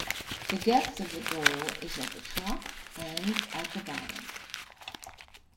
The depth of the goal is at the top and at the bottom.